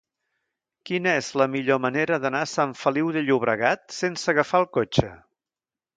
Quina és la millor manera d'anar a Sant Feliu de Llobregat sense agafar el cotxe?